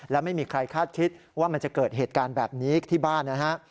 และไม่มีใครคาดคิดว่ามันจะเกิดเหตุการณ์แบบนี้ที่บ้านนะฮะ